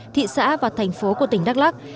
thị xã và thành phố của tỉnh đắk lắc